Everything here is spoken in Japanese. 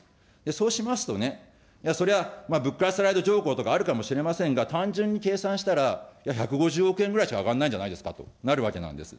そうしますと、そりゃ、物価スライド条項とかあるかもしれませんが、単純に計算したら１５０億円ぐらいしか上がんないんじゃないですかとなるわけなんですよ。